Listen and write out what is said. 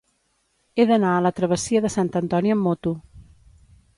He d'anar a la travessia de Sant Antoni amb moto.